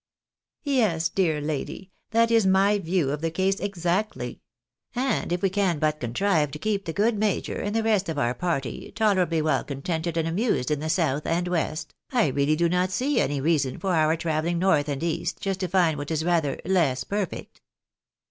" Yes, dear lady, that is my view of the case, exactly. And if we can but contrive to keep the good major, and the rest of our party, tolerably well contented and amused in the South and West, I really do not see any reason for our travelling North and East, just to find what is rather less perfect."